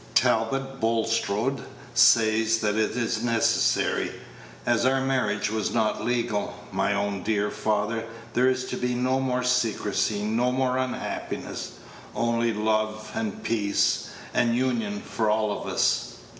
Talbot Bulstrode says that it is necessary, as our marriage was not legal. My own dear father, there is to be no more secrecy, no more unhappiness only love, and peace, and union for all of us."